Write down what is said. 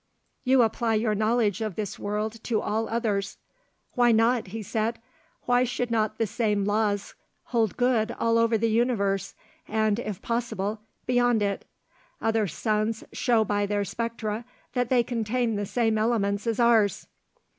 '" "You apply your knowledge of this world to all others." "Why not?" he said. "Why should not the same laws hold good all over the universe, and, if possible, beyond it? Other suns show by their spectra that they contain the same elements as ours."